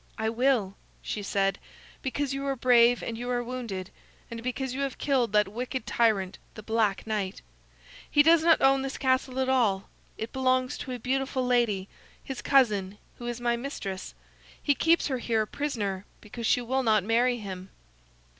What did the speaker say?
"I will," she said, "because you are brave and you are wounded, and because you have killed that wicked tyrant, the Black Knight. He does not own this castle at all; it belongs to a beautiful lady, his cousin, who is my mistress. He keeps her here a prisoner because she will not marry him."